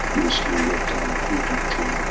You are still wrecked among heathen dreams.